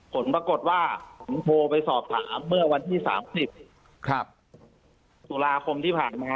ผลปรากฏว่าผมโทรไปสอบถามเมื่อวันที่๓๐ตุลาคมที่ผ่านมา